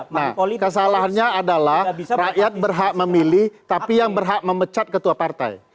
nah kesalahannya adalah rakyat berhak memilih tapi yang berhak memecat ketua partai